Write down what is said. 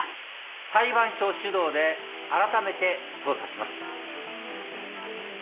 裁判所主導であらためて捜査します。